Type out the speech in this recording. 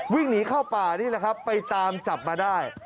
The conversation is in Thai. วิ่งหนีเข้าป่านี่แหละครับไปตามจับมาได้